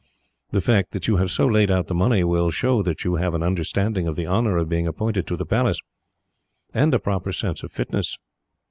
The fact that you have so laid out the money will show that you have an understanding of the honour of being appointed to the Palace, and a proper sense of fitness.